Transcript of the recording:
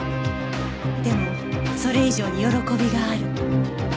でもそれ以上に喜びがある